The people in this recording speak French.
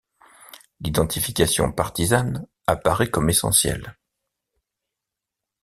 L’identification partisane apparaît comme essentielle.